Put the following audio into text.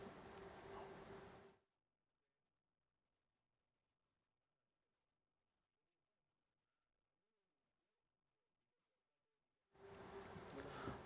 apakah kehadiran yahya khalilistakuf akan dikaitkan dengan pbnu